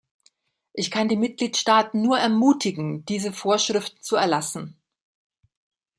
Ich kann die Mitgliedstaaten nur ermutigen, diese Vorschriften zu erlassen.